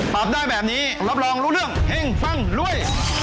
ปรับได้แบบนี้รับรองรู้เรื่องเฮ่งปังรวย